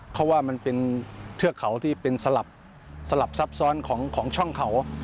เพราะว่ามันเป็นเทือกเขาที่เป็นสลับซับซ้อนของช่องเขา